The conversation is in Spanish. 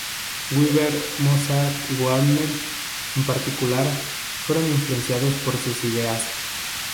Weber, Mozart y Wagner, en particular, fueron influenciados por sus ideas.